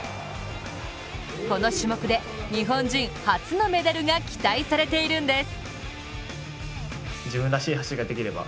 この種目で、日本人初のメダルが期待されているんです。